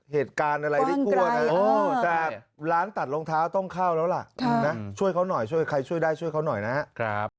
เหตุการณ์อะไรได้ทั่วนะแต่ร้านตัดรองเท้าต้องเข้าแล้วล่ะช่วยเขาหน่อยช่วยใครช่วยได้ช่วยเขาหน่อยนะครับ